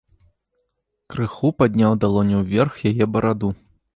Крыху падняў далонню ўверх яе бараду.